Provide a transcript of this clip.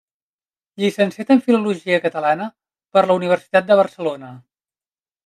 Llicenciat en Filologia Catalana per la Universitat de Barcelona.